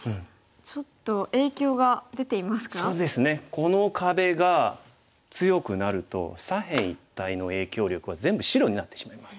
この壁が強くなると左辺一帯の影響力は全部白になってしまいます。